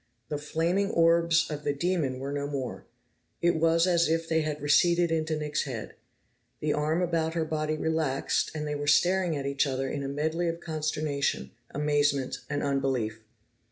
The flaming orbs of the demon were no more; it was as if they had receded into Nick's head. The arm about her body relaxed, and they were staring at each other in a medley of consternation, amazement and unbelief.